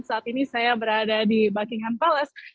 saat ini saya berada di buckingham palace